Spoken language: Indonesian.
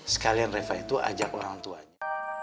sekalian reva itu ajak orang tuanya